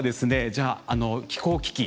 じゃあ気候危機